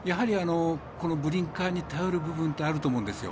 ブリンカーに頼る部分ってあると思うんです。